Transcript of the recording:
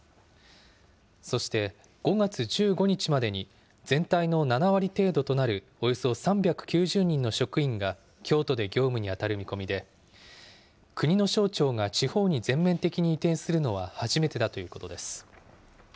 そして、５月１５日までに全体の７割程度となるおよそ３９０人の職員が京都で業務に当たる見込みで、国の省庁が地方に全面的に移転するのは初めてだということです。